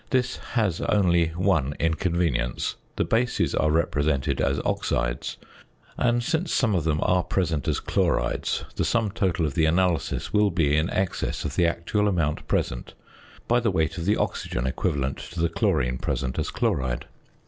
This has only one inconvenience. The bases are represented as oxides; and, since some of them are present as chlorides, the sum total of the analysis will be in excess of the actual amount present by the weight of the oxygen equivalent to the chlorine present as chloride.